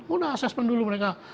udah assessment dulu mereka